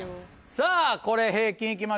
さぁこれ平均いきましょうか。